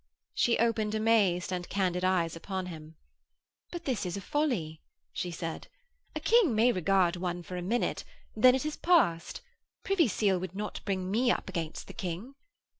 She opened amazed and candid eyes upon him. 'But this is a folly,' she said. 'A King may regard one for a minute, then it is past. Privy Seal would not bring me up against the King.'